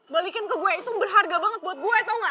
balikin ke gue itu berharga banget buat gue atau enggak